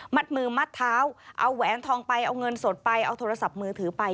มือมัดเท้าเอาแหวนทองไปเอาเงินสดไปเอาโทรศัพท์มือถือไป